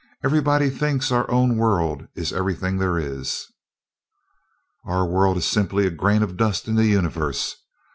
Everybody thinks our own world is everything there is!" "Our world is simply a grain of dust in the Universe.